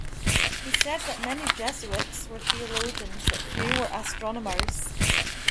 He said that many Jesuits were theologians, but few were astronomers.